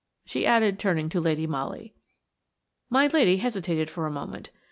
she added, turning to Lady Molly. My dear lady hesitated for a moment.